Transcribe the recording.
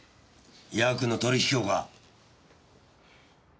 ヤクの取引をか。